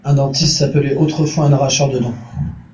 Un dentiste s'appelait autrefois un arracheur de dent